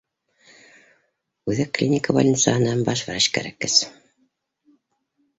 Үҙәк клиника больницаһына баш врач кәрәккәс